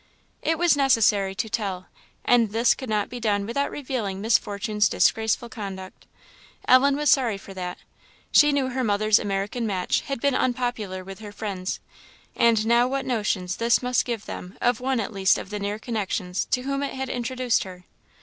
It was necessary to tell; and this could not be done without revealing Miss Fortune's disgraceful conduct. Ellen was sorry for that. She knew her mother's American match had been unpopular with her friends, and now what notions this must give them of one at least of the near connections to whom it had introduced her!